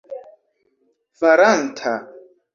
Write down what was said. faranta